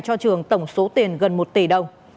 cho trường tổng số tiền gần một tỷ đồng